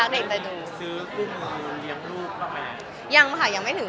มาอยู่บ้านเลี้ยงได้เลย